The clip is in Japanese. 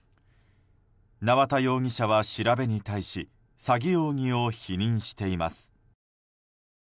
縄田容疑者は調べに対し詐欺容疑を否認しています。